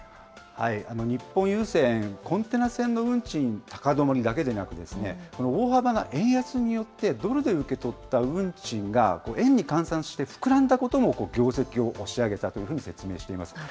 日本郵船、コンテナ船の運賃、高止まりだけでなく、大幅な円安によって、ドルで受け取った運賃が円に換算して膨らんだことも業績を押し上げたというふうに説明しています。